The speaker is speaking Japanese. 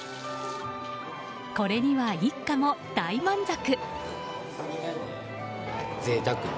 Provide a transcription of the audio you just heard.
これには一家も大満足。